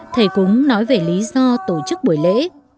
thầy cúng nói về lý do tổ chức buổi lễ